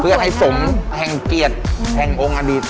เพื่อให้สงฆ์แห่งเกียรติแห่งองค์อดีต